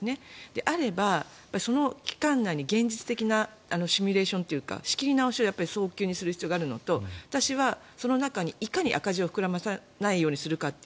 であれば、その期間内に現実的なシミュレーションというか仕切り直しを早急にする必要があるのと私は、その中にいかに赤字を膨らませないようにするかと。